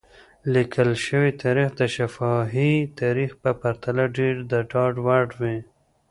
لیکل شوی تاریخ د شفاهي تاریخ په پرتله ډېر د ډاډ وړ وي.